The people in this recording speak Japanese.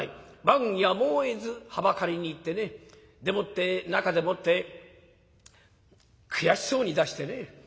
万やむをえずはばかりに行ってねでもって中でもって悔しそうに出してね。